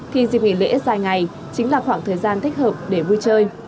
thì dịp nghỉ lễ dài ngày chính là khoảng thời gian thích hợp để vui chơi